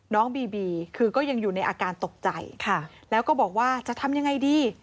น้องบีบีคือก็ยังอยู่ในอาการตกใจค่ะแล้วก็บอกว่าจะทำยังไงดี